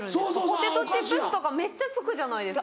ポテトチップスとかめっちゃ付くじゃないですか。